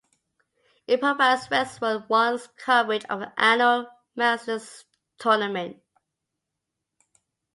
It provides Westwood One's coverage of the annual Masters Tournament.